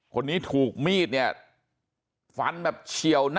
คนนี้ถูกมีดเนี่ย